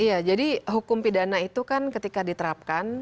iya jadi hukum pidana itu kan ketika diterapkan